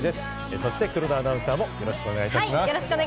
そして黒田アナウンサーもよろしくお願いいたします。